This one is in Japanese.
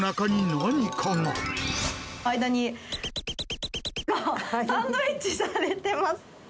間に×××がサンドイッチされてます。